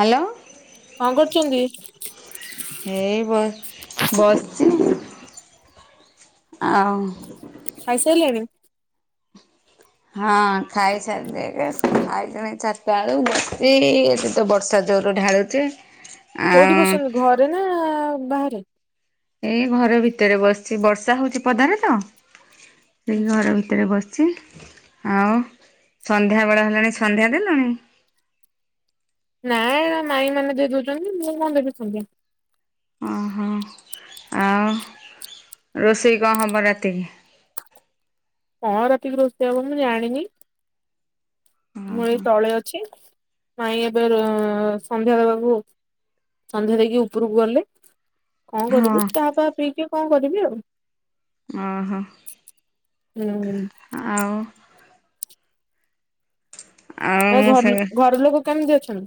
Hello. କଣ କରୁଛନ୍ତି? ହେ ବ ବସିଛି ଆଉ। ଖାଇସାଇଲେଣି? ହଁ ଖାଇସାରିଲିଣି ଖାଇଲିଣି ଚାରିଟା ବେଳୁ ବସିଛି ଏଠିତ ବର୍ଷା ଜୋରୁ ଢାଳୁଚି। କୋଉଠି ବସିଚନ୍ତି ଘରେ ନା ବାହାରେ? ଏଇ ଘର ଭିତରେ ବସିଚି ବର୍ଷା ହଉଛି ପଦାରେ ତ। ସେଇ ଘର ଭିତରେ ବସିଚି। ଆଉ ସନ୍ଧ୍ୟାବେଳ ହେଲାଣି ସନ୍ଧ୍ୟା ଦେଲଣି? ନାଇଁ ବା ମାଇଁ ମାନେ ଦେଇ ଦଉଚନ୍ତି, ମୁଁ କଣ ଦେବି ସନ୍ଧ୍ୟା? ଓହୋ, ଆଉ ରୋଷେଇ କଣ ହବ ରାତିକି? କଣ ରାତିକି ରୋଷେଇ ହବ, ମୁଁ ଜାଣିନି? ମୁଁ ଏଇ ତଳେ ଅଛି। ମାଇଁ ଏବେ ସନ୍ଧ୍ୟା ଦେବାକୁ ସନ୍ଧ୍ୟା ଦେଇକି ଉପୁରକୁ ଗଲେ। ହଁ ଓହୋ। ହୁଁ। ଆଉ ଆଉ ମୁଁ ସେ ଘର-ଘର ଲୋକ କେମିତି ଅଛନ୍ତି?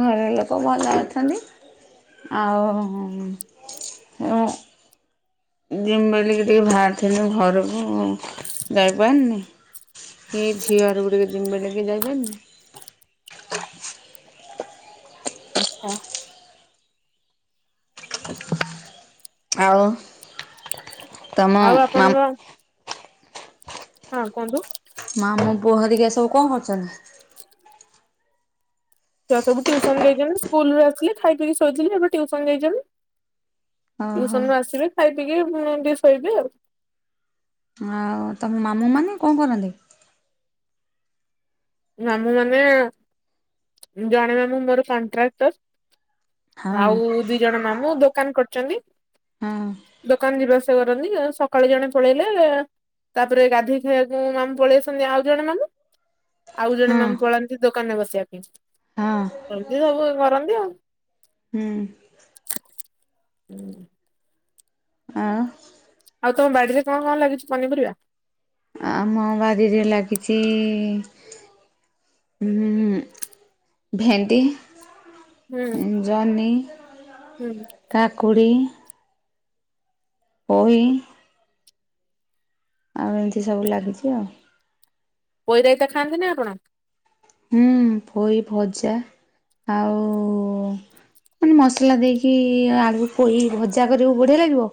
ଘର ଲୋକ ଭଲ ଅଛନ୍ତି। ଆଉ ଜିମି ବିଲିକି ଟିକେ ବାହାରଥିନି ଘରକୁ ଯାଇପାରିନି। ଏଇ ଝିଅଘରକୁ ଟିକେ ଜିମି ବୋଲିକି ଯାଇପାଇଲିନି। ଆଚ୍ଛା। ଆଉ ତମ ଆଉ ଆପଣଙ୍କ ମାମ୍ ହଁ କୁହନ୍ତୁ। ମାମୁଁ ପୁଅ ହେରିକା ସବୁ କଣ କରୁଛନ୍ତି? ଛୁଆ ସବୁ ଟିଉସନ୍ ଯାଇଚନ୍ତି। ସ୍କୁଲରୁ ଆସିଲେ, ଖାଇ ପିଇ କି ଶୋଇଥିଲେ। ଏବେ ଟିଉସନ୍ ଯାଇଛନ୍ତି। ଓହୋ ଟ୍ୟୁସନରୁ ଆସିବେ ଖାଇ ପିଇକି ପୁଣି ଟିକେ ଶୋଇବେ ଆଉ। ଆଉ ତମ ମାମୁଁ ମାନେ କଣ କରନ୍ତି? ମାମଁ ମାନେ, ଜଣେ ମାମୁଁ ମୋର କଣ୍ଟ୍ରାକ୍ଟର, ହଁ ଆଉ ଦି ଜଣ ମାମୁଁ ଦୋକାନ କରିଚନ୍ତି। ହଁ ଦୋକାନ ଯିବା [unintelligible] କରନ୍ତି। ସକାଳୁ ଜଣେ ପଳେଇଲେ। ତା ପରେ ଗାଧୋଇ ଖାଇବାକୁ ମାମୁଁ ପଳେଇ ଆସନ୍ତି, ଆଉ ଜଣେ ମାମୁଁ। ଆଉ ଜଣେ ହଁ ମାମୁଁ ପଳାନ୍ତି ଦୋକାନରେ ବସିବା ପାଇଁ। ହଁ ଏମିତି ସବୁ କରନ୍ତି ଆଉ। [inaudible] ହୁଁ ଆଉ। ଆଉ ତମ ବାଡିରେ କଣ କଣ ଲାଗିଛି ପନିପରିବା? ଆମ ବାରିରେ ଲାଗିଛି ଉଁ ଭେଣ୍ଡି, ହୁଁ। ଜହ୍ନି ହୁଁ। କାକୁଡ଼ି ପୋଇ ଆଉ ଏମିତି ସବୁ ଲାଗିଛି ଆଉ। ପୋଇ ରାଇତା ଖାଆନ୍ତି ନା ଆପଣ? ହୁଁ, ପୋଇ ଭଜା ଆଉ ମସଲା ଦେଇକି ଆଳୁ ପୋଇ ଭଜା କରିବାକୁ ବଢିଆ ଲାଗିବ।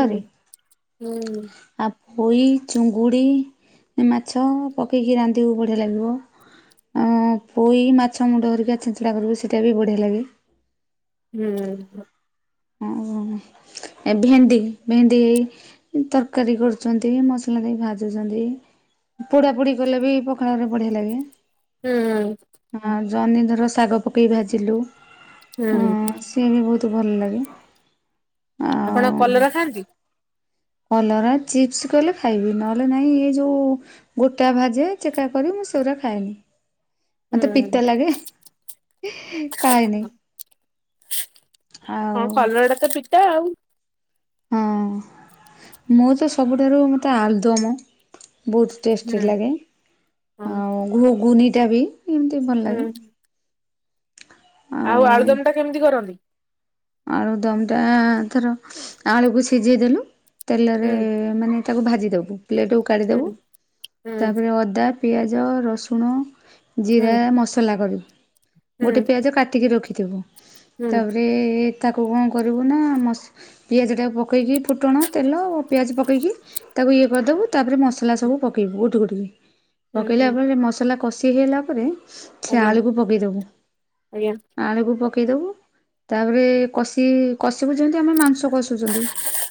ହୁଁ ହୁଁ। ଆଉ ପୋଇ, ଚୁଙ୍ଗୁଡ଼ି, ମାଛ ପକେଇକି ରାନ୍ଧିବାକୁ ବଢ଼ିଆ ଲାଗିବ। ଆଁ ପୋଇ ମାଛ ମୁଣ୍ଡ ଧରିକା ଛିଞ୍ଚିଡ଼ା କରିବୁ ସେଇଟା ବି ବଢ଼ିଆ ଲାଗେ। ହୁଁଁ। ଓ ଏ ଭେଣ୍ଡି ଭେଣ୍ଡି ଏଇ ତରକାରୀ କରୁଛନ୍ତି ମସଲା ଦେଇ ଭାଜୁଛନ୍ତି। ପୋଡାପୋଡି କଲେ ବି ପଖାଳରେ ବଢିଆ ଲାଗେ। ହୁଁ। ହଁ ଜନ୍ନି ଧର ଶାଗ ପକେଇ ଭାଜିଲୁ ହୁଁ। ହଁ ସିଏ ବି ବହୁତ ଭଲ ଲାଗେ। ଆପଣ ଆଉ କଲରା ଖାଆନ୍ତି? କଲରା ଚିପ୍ସ କଲେ ଖାଇବି ନହେଲେ ନାହିଁ ଏ ଯଉ ଗୋଟା ଭାଜେ ଚେକା କରି ମୁଁ ସେଗୁରା ଖାଏନି। ମତେ ହୁଁ ପିତା ଲାଗେ ଖାଏନି ହଁ ଆଉ କଲରା ଟା ତ ପିତା ଆଉ। ହଁ ମୁଁ ତ ସବୁଠାରୁ ମୋତେ ଆଳୁଦମ ବହୁତ ଟେଷ୍ଟି ହୁଁ ଲାଗେ ହଁ ଆଉ ଘୁଗୁନିଟା ବି ଏମିତି ଭଲ ହୁଁ। ଲାଗେ। ଆଉ ଆଳୁଦମ ଟା କେମିତି କରନ୍ତି? ଆଳୁଦମଟା ଥର ଆଳୁକୁ ସିଝେଇ ଦେଲୁ ତେଲରେ ହୁଁ ମାନେ ତାକୁ ଭାଜି ଦେବୁ ପ୍ଲେଟ୍କୁ କାଢ଼ି ଦେବୁ ହୁଁ ହୁଁ ତାପରେ ଅଦା ପିଆଜ ରସୁଣ ଜିରା ହୁଁ ମସଲା କରି ହୁଁ ଗୋଟେ ପିଆଜ କାଟିକି ରଖିଥିବୁ ହୁଁ ତାପରେ ତାକୁ କଣ କରିବୁ ନା ମ ପିଆଜଟାକୁ ପକେଇକି ଫୁଟଣ ତେଲ ପିଆଜ ପକେଇକି ତାକୁ ଇଏ କରିଦବୁ ତାପରେ ମସଲା ହୁଁ ସବୁ ପକେଇବୁ ଗୋଟି ଗୋଟିକି। ହୁଁ ପକେଇଲା ହୁଁ ପରେ ମସଲା କଷି ହେଲା ପରେ ସେ ଆଜ୍ଞା ଆଳୁକୁ ପକେଇଦବୁ। ଆଜ୍ଞା ଆଳୁକୁ ପକେଇଦବୁ ତାପରେ କଷି କଷିିବୁ ଯେମିତି ଆମେ ମାଂସ କଷୁଛନ୍ତି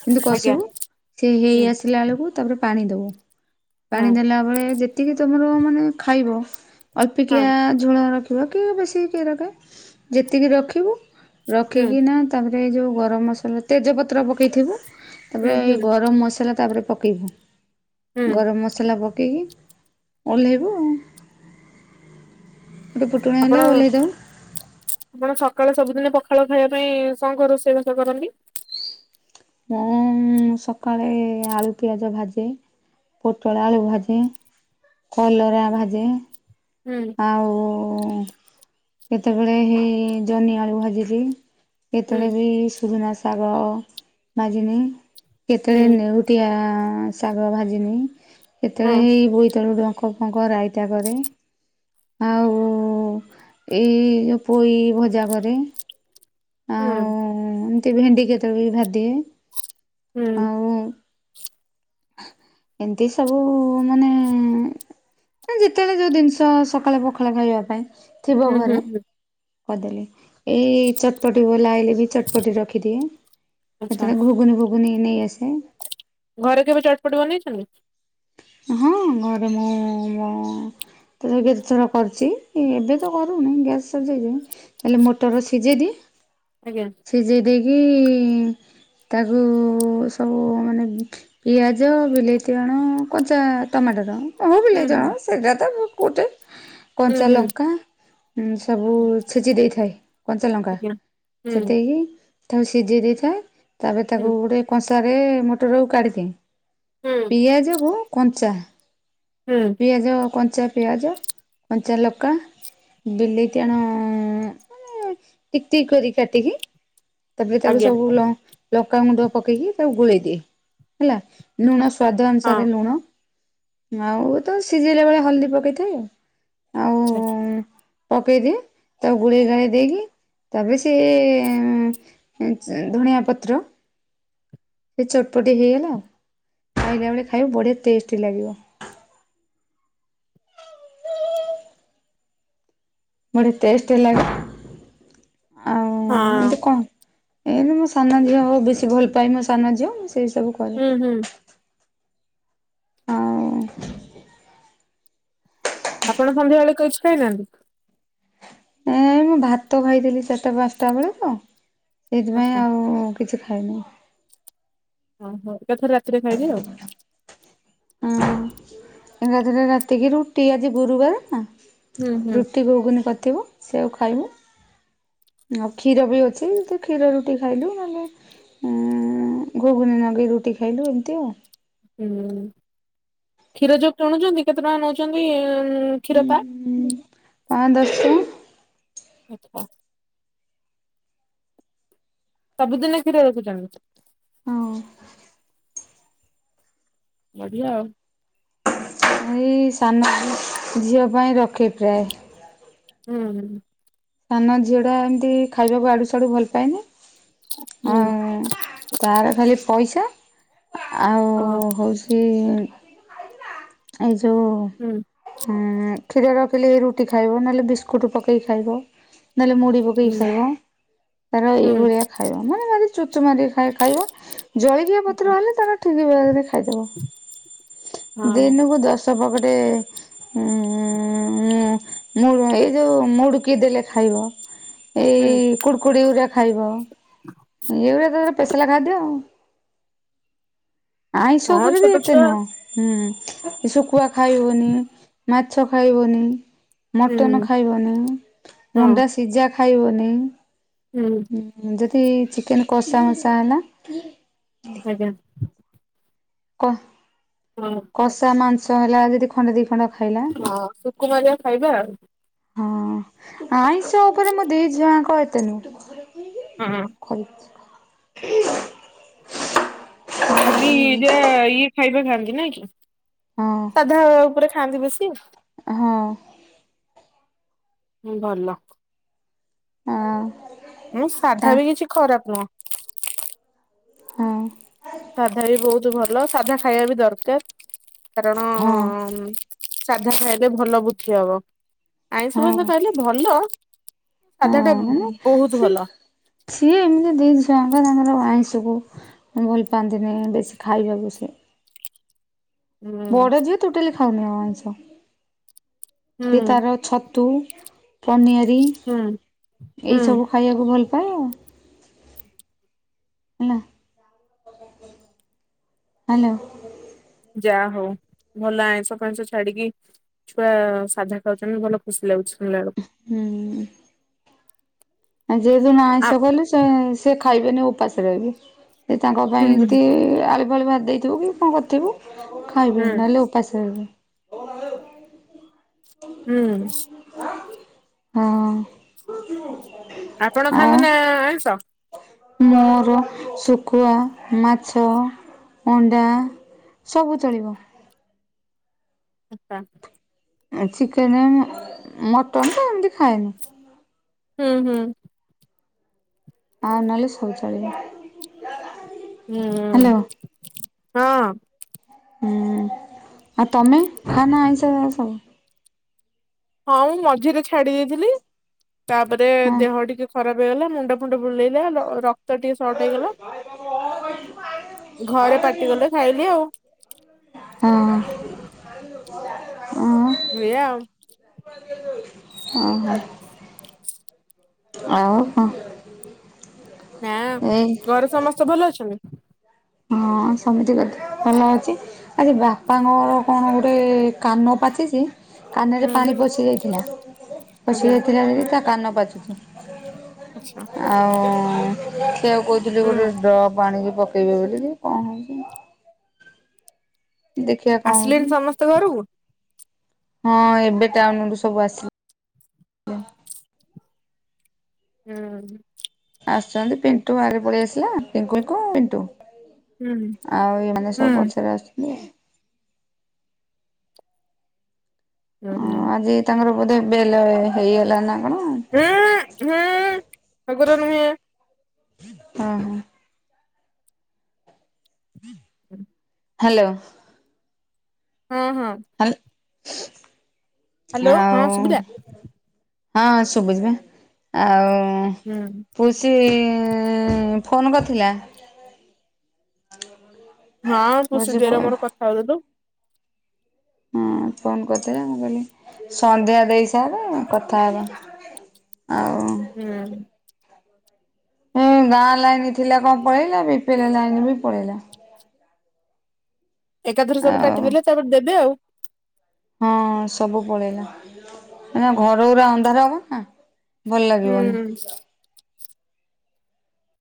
ସେମିତି ଆଜ୍ଞା କଷିବୁ ସେ ହେଇ ହୁଁ ଆସିଲା ବେଳକୁ ତାପରେ ପାଣି ଦେବୁ ପାଣି ହଁ ଦେଲାବେଳେ ଯେ ତିକି ତମର ମାନେ ଖାଇବ ହଁ ଅଳ୍ପିକିଆ ଝୋଳ ରଖ ରଖିକି ବେଶୀ କିଏ ରଖେ ଯେତିକି ରଖିବୁ ରଖି ହୁଁ ନା ତାପରେ ଏଇ ଯୋଉ ଗରମ ମସଲା ତେଜ ପତ୍ର ପକେଇଥିବୁ ହୁଁ ତାପରେ ଏଇ ହୁଁ ଗରମ ମସଲା ତାପରେ ପକେଇବୁ। ହୁଁ ଗରମ ମସଲା ପକେଇକି ଓହ୍ଲେଇବୁ ଆଉ। ଏବେ ଫୁଟୁଣା ଆପଣ ହେଲେ ଓଲ୍ହେଇ ଦେବୁ। ଆପଣ ସକାଳେ ସବୁଦିନ ପଖାଳ ଖାଇବା ପାଇଁ କଣ କଣ ରୋଷେଇବାସ କରନ୍ତି? ମୁଁ ସକାଳେ ଆଳୁ ପିଆଜ ଭାଜେ। ପୋଟଳ ଆଳୁ ଭାଜେ, କଲରା ଭାଜେ। ହୁଁ। ଆଉ କେତେବେଳେ ହେଇ ଜହ୍ନିଆଳୁ ଭାଜିଦିଏ। ହୁଁ କେତେବେଳେ ବି ସୁଜନା ଶାଗ ଭାଜିନିଏ ହୁଁ କେତେବେଳେ ନେଉ ଟିଆ ଶାଗ ଭାଜିନିଏ ହଁ କେତେବେଳେ ହେଇ ବୋଇତାଳୁ ଡ଼ଙ୍କ ଡୁଙ୍କ ରାଇତା କରେ। ଆଉ ଏଇ ଯୋଉ ପୋଇ ଭଜା କରେ। ହୁଁ। ହ ଏମତି ଭେଣ୍ଡି କେତେବେଳେ ବି ଭାଜି ଦିଏ ହୁଁ ଆଉ ଏମିତି ସବୁ ମାନେ ଯେତେବେଳେ ଯୋଉ ଜିନିଷ ସକାଳେ ପଖାଳ ଖାଇବା ପାଇଁ ଥିବ ହୁଁ ହୁଁ ଘରେ। ହୁଁ କର୍ ଦେଲେ ଏଇ ଚଟପଟି ଗ ଲାଇଲେ ବି ଚଟପଟି ରଖିଦିଏ। ଆଚ୍ଛା ସେତ ଘୁଗୁନି ଫୁଗୁନି ନେଇ ଆସେ। ଘରେ କେବେ ଚଟପଟି ବନେଇଛନ୍ତି? ହଁ ଘରେ ମୁଁ ମୋ ତ ବିରି ଚାଉଳ କରୁଛି। ଏବେ ତ କରୁନି ଗ୍ୟାସ୍ ସରି ଜାଇଛି। ତାଲେ ମଟର ସିଝେଇଦିଏ ଆଜ୍ଞା। ସିଝେଇ ଦେଇକି ତାକୁ ସବୁ ମାନେ ପିଆଜ ବିଲେଇତି ଆଣ। କଞ୍ଚା ଟମାଟର ହଁ ହୁଁ ବିଲେଇ ହୁଁ ଚାଉଳ ସେଟା ତ କୋଟେ। ହୁଁ କଞ୍ଚା ହୁଁ ଲଙ୍କା ସବୁ ଛେଚି ଦେଇଥାଏ କଞ୍ଚା ଲଙ୍କା। ଆଜ୍ଞା ହୁଁ ଛେଦେଇକି ତାକୁ ସିଝେଇ ଦେଇଥାଏ। ତାପରେ ତାକୁ ହୁଁ ଗୋଟେ କଂସାରେ ମଟରକୁ କାଢି଼ଦିଏ। ହୁଁ ପିଆଜକୁ କଞ୍ଚା ହୁଁ। ପିଆଜ କଞ୍ଚା ପିଆଜ କଞ୍ଚା ଲଙ୍କା। ବିଲେଇତି ଆଣ ମାନେ ଟିକ୍ ଟିକ୍ କରିକି କାଟିକି ତାପରେ ତାକୁ ଆଜ୍ଞା ସବୁ ଲଙ୍କା ଗୁଣ୍ଡ ପକେଇକି ତାକୁ ଗୋଳେଇ ଦିଏ ହେଲା। ନୁଣ ସ୍ଵାଦ ହଁ ଅନୁସାରେ ଲୁଣ। ଆଉ ତ ସିଝେଇଲା ବେଳେ ହଳଦୀ ପକେଇଥାଏ ଆଉ। ଆଉ ଆଚଛା। ହ ପକେଇଦିଏ ତାକୁ ଗୁଳେଇ ଗାଳି ଦେଇକି ତାପରେ ସେ ଧଣିଆ ପତ୍ର ସେ ଚଟପଟି ହେଇଗଲା ଆଉ ଖାଇଲା ବଳେ ଖାଇବ ବଢି଼ଆ ଟେଷ୍ଟି ଲାଗିବ। ବଢି଼ ଟେଷ୍ଟ ଲାଗେ। ଆଉ ଏନ୍ତି ହଁ କଣ? ଏନ୍ତି ମୋ ସାନ ଝିଅ ହଉ ବେଶୀ ଭଲ ପାଏ ମୋ ସାନ ଝିଅ ମୁଁ ସେଇ ସବୁ କରେ। ହୁଁ ହୁଁ ଆଉ ଆପଣ ସନ୍ଧ୍ୟାବେଳେ କଛି ଖାଇନାହାନ୍ତି? ନାଇଁ ମୁଁ ଭାତ ଖାଇଥିଲି ଚାରିଟା ପାଞ୍ଚଟା ବେଳେ ତ। ଆଚ୍ଛା ସେଇଥିପାଇଁ ଆଉ କିଛି ଖାଇନି ଓହୋ ଏକାଥରେ ରାତିରେ ଖାଇବି ଆଉ। [inaudible] ହଁ ରାତିରେ ରାତିକି ରୁଟି ଆଜି ଗୁରୁବାର ନା। ହୁଁ ହୁଁ। ରୁଟି ଗୁଗୁନି କରିଥିବୁ ସେଆଉ ଖାଇବୁ। ଆଉ କ୍ଷୀର ବି ଅଛି। ଏମତି କ୍ଷୀର ରୁଟି ଖାଇଲୁ ନହେଲେ ହୁଁ ଗୁଗୁନି ନଗେଇ ରୁଟି ଖାଇଲୁ ଏମିତି ଆଉ। ହୁଁ କ୍ଷୀର ଯୋଉ କିଣୁଛନ୍ତି କେତେ ଟଙ୍କା ନେଉଛନ୍ତି? ଉଁ କ୍ଷୀର ପା? ପାଞ୍ଚ ଦଶ ଟଆଁ। ଆଚ୍ଛା। ସବୁଦିନ କ୍ଷୀର ରୁକୁଛନ୍ତି। ହଉଁ ବଢ଼ିଆ ଆଉ। ଏଇ ସାନ ଝିଅ ପାଇଁ ରଖେ ପ୍ରାୟ। ହୁଁ ହୁଁ। ସାନ ଝିଅଟା ଏମିତି ଖାଇବାକୁ ଆଡ଼ୁ ସାଡ଼ୁ ଭଲ ପାଏନି। ହୁଁ। ଆଁ ତାର ଖାଲି ପଇସା ଆଉ ହଁ। ହଉଛି ଏଇ ଯୋଉ ହୁଁ ହୁଁ କ୍ଷୀର ରଖିଲେ ରୁଟି ଖାଇବ ନହେଲେ ବିସ୍କୁଟ ପକେଇକି ଖାଇବ। ନହେଲେ ମୁଢ଼ି ପକେଇ ହୁଁ। ଖାଇବ। ତାର ହୁଁ ଏଇଭଳିଆ ଖାଇବା। ମନେ ମାରି ଚୁଚୁ ମାରିଆ ଖାଇ ଖାଇବ। ଜଳି ଜଳଖିଆ ପତ୍ର ହେଲେ ତାର ଠିକ୍ ଭାବରେ ଖାଇଦବ। ହଁ ଦିନକୁ ଦଶ୍ ଦବ ଗୋଟେ ଉଁ ମୁଡୁ ଏଇ ଯୋଉ ମୁଡୁକି ଦେଲେ ଖାଇବ ହୁଁ ଏଇ କୁରୁକୁଡି ଉରା ଖାଇବ ଏଉରା ତାର ସ୍ପେସିଆଲ ଖାଦ୍ୟ ଆଉ। ଆଇଁଷ ହଁ ଉପରେ ବି ଛୋଟ ଏତେ ଛୁଆ ନୁହଁ। ହୁଁ ଶୁଖୁଆ ଖାଇବନି ମାଛ ଖାଇବନି। ହୁଁ ମଟନ୍ ଖାଇବନି ଅଣ୍ଡା ସିଝା ଖାଇବନି। ଏ ଉଁ ଯଦି ଚିକେନ୍ କଷା ମସା ହେଲା। ଆଜ୍ଞା କହ ହଁ କଷା ମାଂସ ହେଲା ଯଦି ଖଣ୍ଡ ଦି ଖଣ୍ଡ ଖାଇଲା। ହଁ ଶକୁମାରିଆ ଖାଇବା। ହଁ ଆଇଁଷ ଉପରେ ମୋ ଦେଇ ଝିଅଙ୍କ ଏତେ ନୁହେଁ। ହଁ [unintelligible] ଖାଲି ଯା ଇଏ ଖାଇବା ଖାଆନ୍ତି ନାଇଁ କି। ହଁ। ସାଧା ଉପରେ ଖାଆନ୍ତି ବେଶୀ। ହଁ ହୁଁ ଭଲ। ହଁ ମୁଁ ସାଧା ବି କିଛି ଖରାପ ନୁହଁ। ହଁ ସାଧା ବି ବହୁତ ଭଲ ସାଧା ଖାଇବା ବି ଦରକାର। କାରଣ ହଁ ସାଧା ଖାଇଲେ ଭଲ ବୁଦ୍ଧି ହବ। ହଁ ଆଇଁଷ ଫାଇସ ହଁ ଖାଇଲେ ଭଲ। ସାଧାଟା ବହୁତ ମାନେ ଭଲ। ସିଏ ଏମିତି ଦେଇଛି ତାଙ୍କ ତାଙ୍କର ଆଇଁଶକୁ। ଭଲ ପାଆନ୍ତିନି ବେଶୀ ଖାଇବାକୁ ସେ। ହୁଁ ବଡ଼ ଝିଅ ଟୋଟାଲି ଖାଉନି ଆଉ ଆଇଁଷ। ସେ ହୁଁ ତାର ଛତୁ ପନିଆରି ହୁଁ ଏଇ ହୁଁ ସବୁ ଖାଇବାକୁ ଭଲ ପାଏ ଆଉ ହେଲା। ହାଲୋ। ଯାହା ହଉ ଭଲ ଆଇଁଷ ଫାଇଁଷ ଛାଡ଼ି କି ଛୁଆ ସାଧା ଖାଉଚନ୍ତି ଭଲ ଖୁସି ଲାଗୁଚି ଶୁଣିଲା ବେଳକୁ। ହୁଁ ଏ ଯେ ଦିନ ଆ ଆଇଁଷ କଲେ ସେ ସେ ଖାଇବେନି ଉପାସ ରହିବେ। ସେ ତାଙ୍କ ହୁଁ ପାଇଁ ଯଦି ଆଳୁ ଫାଳୁ ଭାଜି ଦେଇଥିବୁ କି କଣ କରିଥିବୁ ଖାଇବେ। ହୁଁ ନହେଲେ ଉ [unintelligible] ହୁଁ। ହଁ। ଆପଣ ଖାଆନ୍ତି ଆଉ ନା ଆଇଁଷ? ମୋର ଶୁଖୁଆ ମାଛ ଅଣ୍ଡା ସବୁ ଚଳିବ। ଆଚ୍ଛା। ଚିକେନ୍ ମଟନ୍ ତ ଏମିତି ଖାଏନି। ହୁଁ ହୁଁ। ଆଉ ନଲେ ସବୁ ଚଳିବ। ହୁଁ ହ୍ୟାଲୋ ହଁ। ହୁଁ ଆଉ ତମେ ଖା ନା ଆଇଁଷ ସବୁ? ହଁ ମୁଁ ମଝିରେ ଛାଡି ଦେଇଥିଲି ତାପରେ ହଁ ଦେହ ଟିକେ ଖରାପ ହେଇଗଲା ମୁଣ୍ଡ ଫୁଣ୍ଡ ବୁଲେଇଲା ର କ୍ତ ଟିକେ ସର୍ଟ ହେଇଗଲା ଘରେ ପାଟି କଲେ ଖାଇଲି ଆଉ। ହଁ। ଉଁ। ଏଇଆ ଆଉ। [inaudible] ଓ ହୋ। ଆଉ କଣ? ନାଁ ଏଇ ଘରେ ସମସ୍ତେ ଭଲ ଅଛନ୍ତି? ହଁ ସମତିଙ୍କ ଦେହ ଭଲ ଅଛି। ଆଜି ବାପାଙ୍କର କଣ ଗୁଟେ କାନ ପାଚିଚି କାନେରେ ହୁଁ ପାଣି ପଶି ଯାଇଥିଲା ପଶି ଆଜ୍ଞା ଯାଇଥିଲା ଯଦି ତା କାନ ପାଚୁଚି। ଆଚ୍ଛା ଆଉ ସେୟାକୁ କୋଉଥିଲି ଗୋଟେ ହୁଁ ଡ୍ରପ ଆଣିକି ପକେଇବେ ବୋଲିକି। କଣ ହୋଉଚି। ଦେଖିବା କଣ ହଉଛି ଆସିଲେଣି ସମସ୍ତେ ଘରକୁ? ହଁ ଏବେ ଟାଉନ ରୁ ସବୁ ଆସିଲେ। ହୁଁ। ଆସୁଚନ୍ତି ପିଣ୍ଟୁ ବାରେ ପଳେଇ ଆସିଲା [unintelligible] ହୁଁ ଆଉ ଏମାନେ ହୁଁ ସବୁ ପଛରେ ଆସୁଚନ୍ତି ଆଉ। ହୁଁ ହଁ ହୁଁ ଆଜି ତାଙ୍କର ବୋଧେ ବେଲ ହେଇଗଲା ନା କଣ। ଉଁ ହୁଁ ହେଗୁରା ନୁହେଁ। ଓ ହୋ। [unintelligible] ହାଲୋ। ହଁ ହଁ। [unintelligible] ହ୍ୟାଲୋ ହଁ ଆଉ ଶୁଭିଲା? ହଁ ଶୁବୁଚି ପା ଆଉ ହୁଁ। ପୁସିି ଫୋନ୍ କରିଥିଲା। ହଁ ପୁସି ଦେଇର ପୁଷି ମୋର କଥା ହୋଉଥୁଲୁ। ହଁ ଫୋନ କରିଥିଲା ମୁଁ କହିଲି ସନ୍ଧ୍ୟା ଦେଇସାରେ କଥା ହେବା। ଆଉ ହୁଁ। ହୁଁ ଗାଁ ଲାଇନ ଥିଲା କଣ ପଳେଇଲା। ବିପିଲ ଲାଇନ ବି ପଳେଇଲା। ଏକାଥରେ ସବୁ ଆଉ କାଟିଦେଲେ ତାପରେ ଦେବେ ଆଉ। ହଁ ସବୁ ପଳେଇଲା ଏଇନା ଘର ଉରା ଅନ୍ଧାର ହବ ନା? ଭଲ ଲାଗିବନି। ହୁଁ।